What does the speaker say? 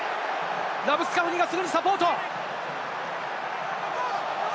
ラブスカフニがすぐにサポート！